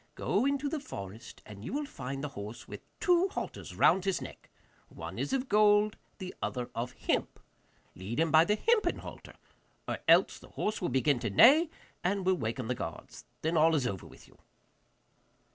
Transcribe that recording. Go into the forest, and you will find the horse with two halters round his neck. One is of gold, the other of hemp. Lead him by the hempen halter, or else the horse will begin to neigh, and will waken the guards. Then all is over with you.